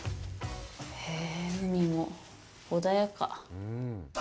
へぇぇ、海も穏やか。